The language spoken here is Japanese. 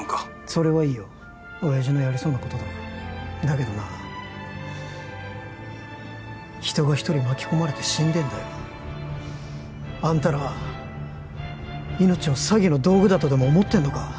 それはいいよ親爺のやりそうなことだだけどな人が一人巻き込まれて死んでんだよあんたらは命を詐欺の道具だとでも思ってんのか？